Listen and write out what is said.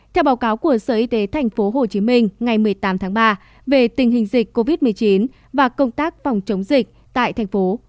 theo báo cáo của sở y tế tp hcm ngày một mươi tám tháng ba về tình hình dịch covid một mươi chín và công tác phòng chống dịch tại thành phố